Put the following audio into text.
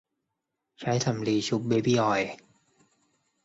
ใช้สำลีชุบเบบี้ออยล์